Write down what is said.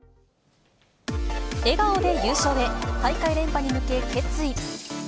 笑顔で優勝へ、大会連覇に向け、決意。